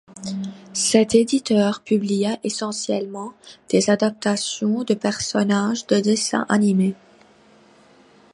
Cet éditeur publia essentiellement des adaptations de personnages de dessins animés.